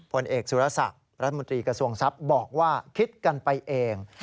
ผลเอกสุรศักดิ์รัฐมนตรีกระทรวงทรัพย์บอกว่าคิดกันไปเอง